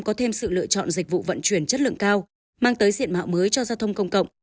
có thêm sự lựa chọn dịch vụ vận chuyển chất lượng cao mang tới diện mạo mới cho giao thông công cộng